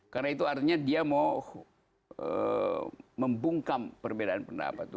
karena itu artinya dia mau membungkam perbedaan pendapat